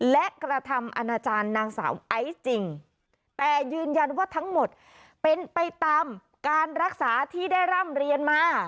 และกระทำอนาจารย์นางสาวไอซ์จริงแต่ยืนยันว่าทั้งหมดเป็นไปตามการรักษาที่ได้ร่ำเรียนมา